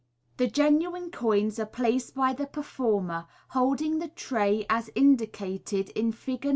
The genuine coins are placed by the performer, holding the tray as indicated in Fig.